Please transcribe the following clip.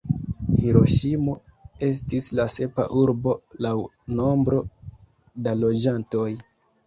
Hiroŝimo estis la sepa urbo laŭ nombro da loĝantoj.